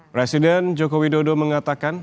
presiden jokowi dodo mengatakan